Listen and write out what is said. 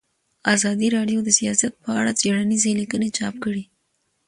ازادي راډیو د سیاست په اړه څېړنیزې لیکنې چاپ کړي.